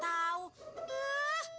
eh kan mau duit